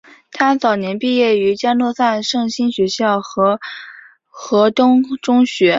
她早年毕业于嘉诺撒圣心学校和何东中学。